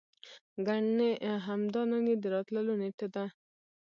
ګني همدا نن يې د راتللو نېټه ده.